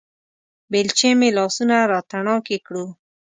بېلچې مې لاسونه راتڼاکې کړو